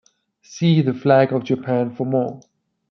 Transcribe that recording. See the flag of Japan for more.